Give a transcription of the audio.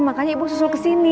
makanya ibu susul kesini